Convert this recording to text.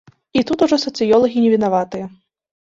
І тут ужо сацыёлагі не вінаватыя.